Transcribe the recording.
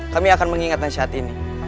kami akan mengingatnya saat ini